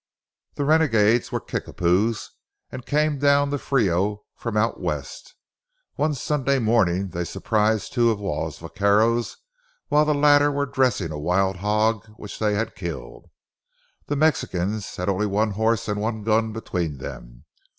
The renegades were Kickapoos and came down the Frio from out west. One Sunday morning they surprised two of Waugh's vaqueros while the latter were dressing a wild hog which they had killed. The Mexicans had only one horse and one gun between them.